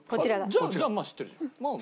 じゃあまあ知ってるじゃん。